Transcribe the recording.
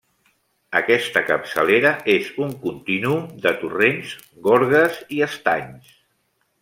Aquesta capçalera és un contínuum de torrents, gorgues i estanys.